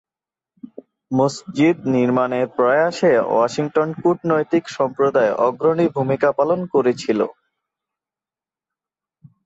মসজিদ নির্মাণের প্রয়াসে ওয়াশিংটন কূটনৈতিক সম্প্রদায় অগ্রণী ভূমিকা পালন করেছিল।